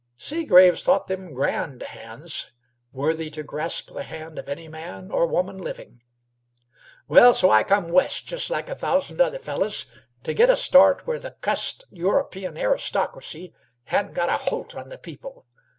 Seagraves thought them grand hands, worthy to grasp the hand of any man or woman living. "Well, so I come West, just like a thousand other fellers, to get a start where the cussed European aristocracy hadn't got a holt on the people.